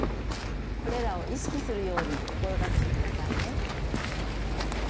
これらを意識するように心掛けてくださいね。